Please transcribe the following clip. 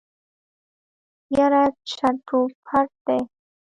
يره چټ و پټ دی.